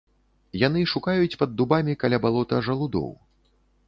Яны шукаюць пад дубамі каля балота жалудоў.